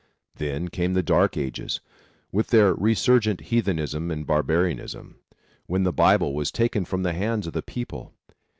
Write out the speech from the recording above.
Then came the Dark Ages, with their resurgent heathenism and barbarism, when the Bible was taken from the hands of the people.